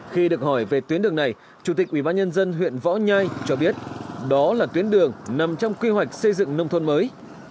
khi được hỏi về tuyến đường này chủ tịch ubnd huyện võ nhai cho biết đó là tuyến đường nằm trong quy hoạch xây dựng nông thôn mới